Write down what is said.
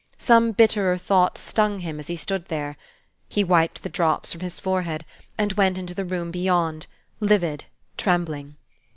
Some bitterer thought stung him, as he stood there. He wiped the drops from his forehead, and went into the room beyond, livid, trembling.